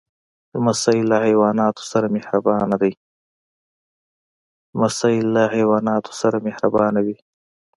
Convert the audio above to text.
لمسی له حیواناتو سره مهربانه وي.